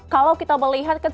kalau kita melihat kan sebenarnya